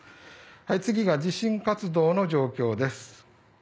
次が地震活動の状況です。